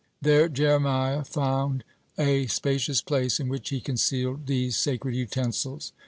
There Jeremiah found a spacious place, in which he concealed these sacred utensils.